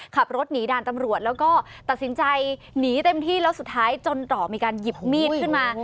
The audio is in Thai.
ขับรถหนีด่านตำรวจแล้วก็ตัดสินใจหนีเต็มที่แล้วสุดท้ายจนต่อมีการหยิบมีดขึ้นมา